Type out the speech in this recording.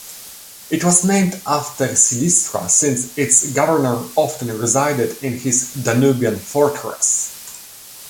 It was named after Silistra, since its governor often resided in this Danubian fortress.